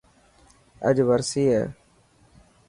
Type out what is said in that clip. اڄ ورسي هي.